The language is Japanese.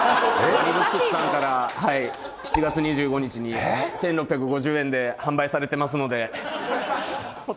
ワニブックスさんから７月２５日に１６５０円で販売されてますので。